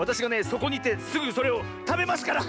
そこにいてすぐそれをたべますから！